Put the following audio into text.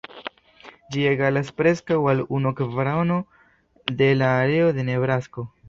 Ĝi egalas preskaŭ al unu kvarono de la areo de Nebrasko.